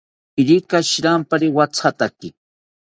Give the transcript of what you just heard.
Irika shirampari wathataki